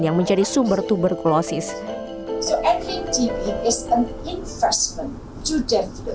yang akan menyebabkan penurunan tb